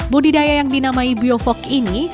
budidaya yang dinamai biofog ini